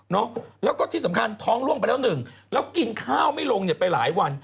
แล้วก็ที่สำคัญท้องล่วงไปแล้วหนึ่งแล้วกินข้าวไม่ลงเนี่ยไปหลายวัน